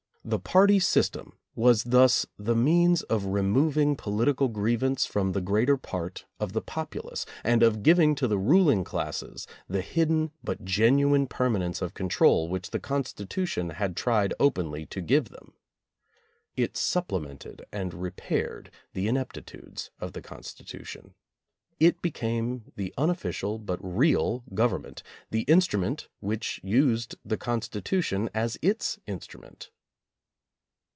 The party sys tem was thus the means of removing political grievance from the greater part of the populace, and of giving to the ruling classes the hidden but genuine permanence of control which the Consti tution had tried openly to give them. It supple mented and repaired the ineptitudes of the Consti tution. It became the unofficial but real govern ment, the instrument which used the Constitution as its instrument.